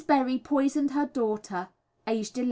Berry poisoned her daughter, aged 11.